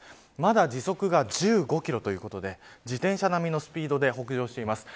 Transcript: まだ時速は１５キロということで自転車並みのスピードで北上しています。